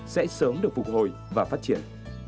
sẽ sớm được phục hồi và phát triển